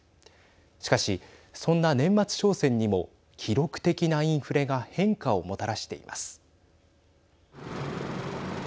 しかし、そんな年末商戦にも記録的なインフレが変化をもたらしています。